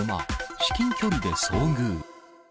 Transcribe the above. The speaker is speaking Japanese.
至近距離で遭遇。